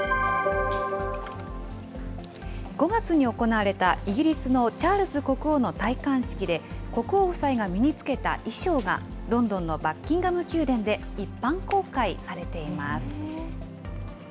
５月に行われたイギリスのチャールズ国王の戴冠式で、国王夫妻が身に着けた衣装がロンドンのバッキンガム宮殿で一般公開されています。